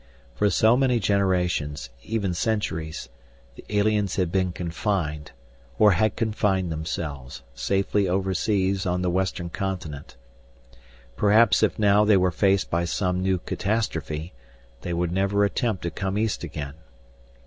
For so many generations, even centuries, the aliens had been confined, or had confined themselves, safely overseas on the western continent. Perhaps if now they were faced by some new catastrophe, they would never attempt to come east again.